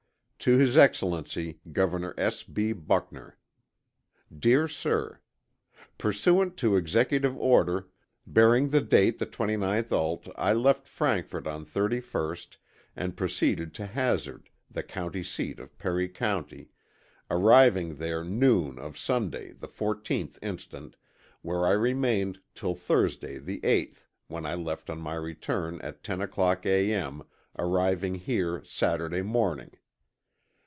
To his Excellency, Governor S. B. Buckner. Dear Sir: Pursuant to Executive order, bearing date the 29th ult., I left Frankfort on 31st and proceeded to Hazard, the county seat of Perry County, arriving there noon of Sunday, the 14th instant, where I remained till Thursday, the 8th, when I left on my return, at 10 o'clock A. M., arriving here Saturday morning.